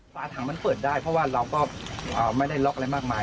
ฝาถังมันเปิดได้เพราะว่าเราก็ไม่ได้ล็อกอะไรมากมาย